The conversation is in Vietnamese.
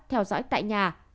theo dõi tại nhà